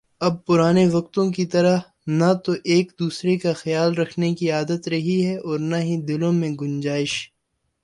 اب پرانے وقتوں کی طرح نہ تو ایک دوسرے کا خیال رکھنے کی عادت رہی ہے اور نہ ہی دلوں میں گنجائش